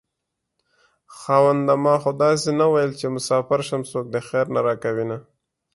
خاونده ما خو داسې نه وېل چې مساپر شم څوک دې خير نه راکوينه